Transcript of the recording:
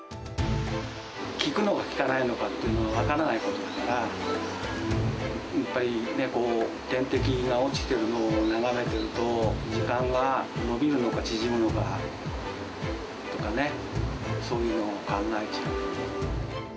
効くのか効かないのかっていうのは、分からないことだから、やっぱりね、点滴が落ちているのを眺めてると、時間が延びるのか縮むのかとかね、そういうのを考えちゃう。